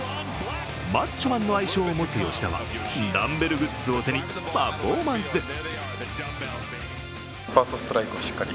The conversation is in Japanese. マッチョマンの愛称を持つ吉田はダンベルグッズを手にパフォーマンスです。